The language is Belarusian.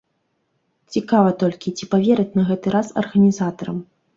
Цікава толькі, ці павераць на гэты раз арганізатарам.